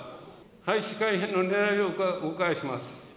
廃止・改変のねらいをお伺いします。